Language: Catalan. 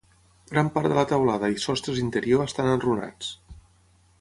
Gran part de la teulada i sostres interior estan enrunats.